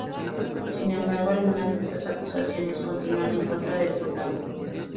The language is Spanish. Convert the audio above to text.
Sin embargo algunas de estas acusaciones continúan en contra del programa.